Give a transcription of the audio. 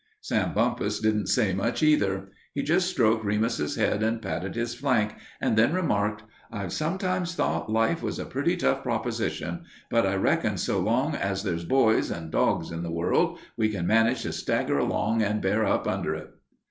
Sam Bumpus didn't say much, either. He just stroked Remus's head and patted his flank, and then remarked, "I've sometimes thought life was a pretty tough proposition, but I reckon so long as there's boys an' dogs in the world, we can manage to stagger along an' bear up under it."